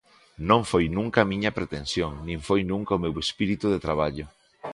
Non foi nunca a miña pretensión, nin foi nunca o meu espírito de traballo.